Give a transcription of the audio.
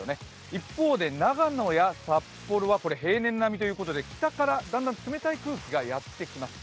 一方で長野や札幌は平年並みということで北からだんだん冷たい空気がやってきます。